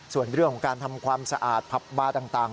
ส่วนเรื่องของการทำความสะอาดผับบาร์ต่าง